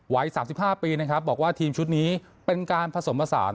๓๕ปีนะครับบอกว่าทีมชุดนี้เป็นการผสมผสาน